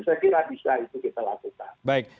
saya kira bisa itu kita lakukan